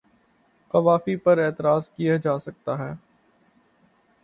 قوافی پر اعتراض کیا جا سکتا ہے۔